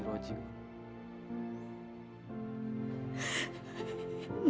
gue mau berpikir